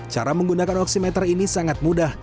cara menggunakan oksimeter ini sangat mudah